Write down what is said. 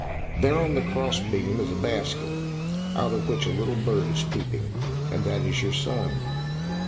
"There on the cross beam is a basket, out of which a little bird is peeping, and that is your son."